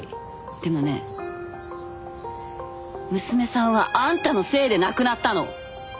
でもね娘さんはあんたのせいで亡くなったの。